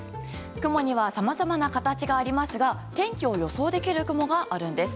雲にはさまざまな形がありますが天気を予想できる雲があるんです。